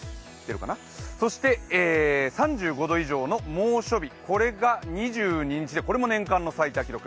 そして３５度以上の猛暑日、これが２２日で、これも年間の最多記録。